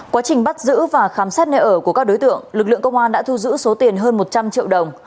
quá trình bắt giữ và khám xét nơi ở của các đối tượng lực lượng công an đã thu giữ số tiền hơn một trăm linh triệu đồng